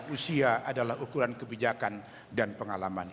usia adalah ukuran kebijakan dan pengalaman